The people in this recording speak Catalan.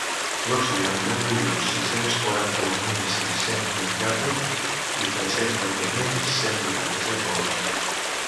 Rússia, amb deu milions sis-cents quaranta-un mil cinc-cents vint casos i tres-cents dotze mil cent vuitanta-set morts.